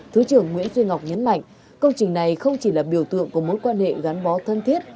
thứ trưởng nguyễn duy ngọc nhấn mạnh công trình này không chỉ là biểu tượng của mối quan hệ gắn bó thân thiết